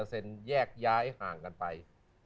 ่อะแย่กใยห่างกันไป